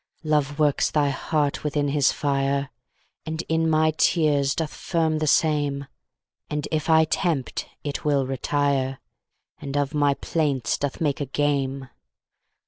Love works thy heart within his fire, And in my tears doth firm the same; And if I tempt, it will retire, And of my plaints doth make a game.